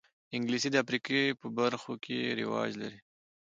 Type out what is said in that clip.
انګلیسي د افریقا په برخو کې رواج لري